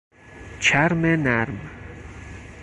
چرم نرم